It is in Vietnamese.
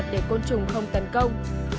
để côn trùng không tấn công